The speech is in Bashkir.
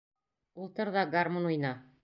Ултыр ҙа гармун уйна.